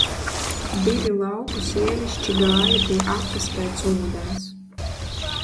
Divi lauku sievišķi gāja pie akas pēc ūdens.